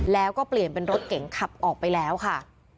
แล้วก็เปลี่ยนเป็นรถเก๋งขับออกไปแล้วค่ะ